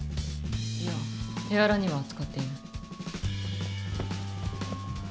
いや手荒には扱っていない。